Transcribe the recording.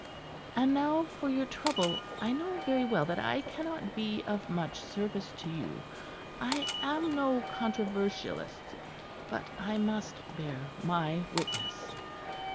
"And now for your trouble. I know very well that I cannot be of much service to you. I am no controversialist. But I must bear my witness.